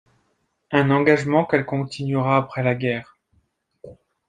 Un engagement qu'elle continuera après la guerre.